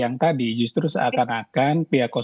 atau berlaku dalam proses